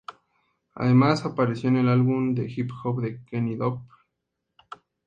Además apareció en el álbum de hip-hop de Kenny Dope "The Unreleased Project".